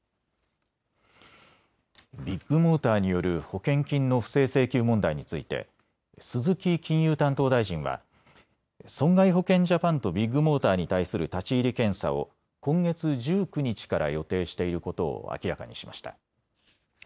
ビッグモーターによる保険金の不正請求問題について鈴木金融担当大臣は損害保険ジャパンとビッグモーターに対する立ち入り検査を今月１９日から予定していることを明らかにしました。